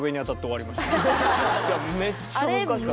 いやめっちゃ難しかったです。